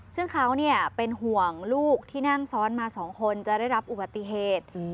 ซึ่งเขาเป็นห่วงลูกที่นั่งซ้อนมา๒คนจะได้รับอุบัติเหตุ